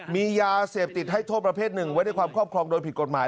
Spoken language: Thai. มียาเสพติดให้โทษประเภทหนึ่งไว้ในความครอบครองโดยผิดกฎหมาย